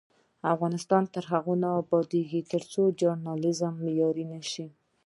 افغانستان تر هغو نه ابادیږي، ترڅو ژورنالیزم معیاري نشي.